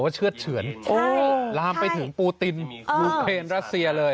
เชื่อดเฉือนลามไปถึงปูตินยูเคนรัสเซียเลย